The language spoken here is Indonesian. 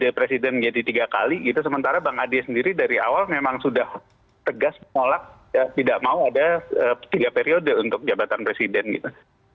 jadi presiden jadi tiga kali gitu sementara bang ade sendiri dari awal memang sudah tegas menolak tidak mau ada tiga periode untuk jabatan presiden gitu